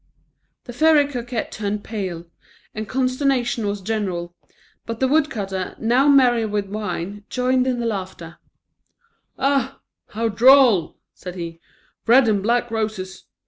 The Fairy Coquette turned pale, and consternation was general; but the woodcutter, now merry with wine, joined in the laugh. "Ah! how droll," said he, "red and black roses!